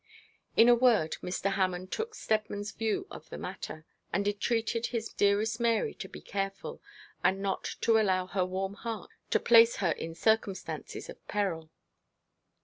In a word Mr. Hammond took Steadman's view of the matter, and entreated his dearest Mary to be careful, and not to allow her warm heart to place her in circumstances of peril.